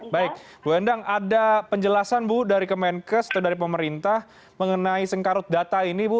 baik bu endang ada penjelasan bu dari kemenkes atau dari pemerintah mengenai sengkarut data ini bu